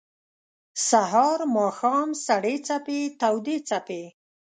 سهار ، ماښام سړې څپې تودي څپې